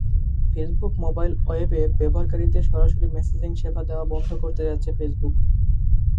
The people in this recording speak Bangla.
ফেসবুক মোবাইল ওয়েব অ্যাপ ব্যবহারকারীদের সরাসরি মেসেজিং সেবা দেওয়া বন্ধ করতে যাচ্ছে ফেসবুক।